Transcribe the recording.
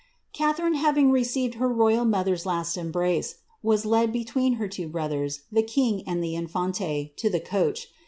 tharine having received her royal mother's last embrace, was led be I her two brothers, the king and the infante, to the coach.